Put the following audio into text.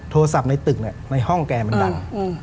โทรศัพท์ในตึกในห้องแกมันดัง